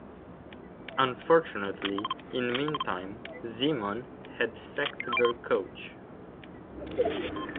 Unfortunately in meantime Zemun had sacked their coach.